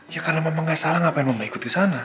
ya karena mama gak salah ngapain mama ikut ke sana